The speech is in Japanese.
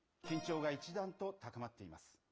緊張が一段と高まっています。